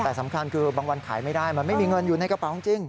แต่สำคัญคือบางวันขายไม่ได้มันไม่มีเงินอยู่ในกระเป๋าจริง